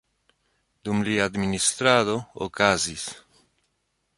Dum lia administrado okazis;